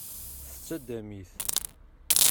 Tettaddam-it.